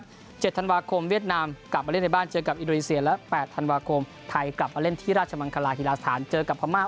๗ธันวาคมเวียดนามกลับมาเล่นในบ้านเจอกับอินโดนีเซียและ๘ธันวาคมไทยกลับมาเล่นที่ราชมังคลาฮิลาสถานเจอกับพม่า